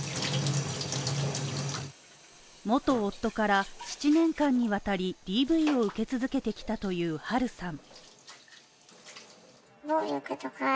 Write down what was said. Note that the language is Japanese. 元夫から７年間にわたり、ＤＶを受け続けてきたというハルさん。